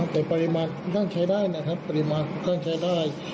แต่ปริมาณก็ใช้ได้นะครับปริมาณก็ใช้ได้